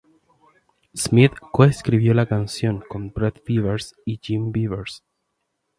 Smith co-escribió la canción con Brett Beavers y Jim Beavers.